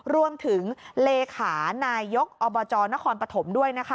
รวมถึงเลขานายกอบจนครปฐมด้วยนะคะ